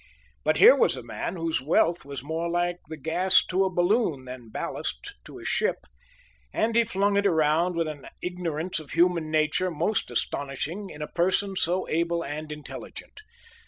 But here was a man whose wealth was more like the gas to a balloon than ballast to a ship; and he flung it around with an ignorance of human nature most astonishing in a person so able and intelligent.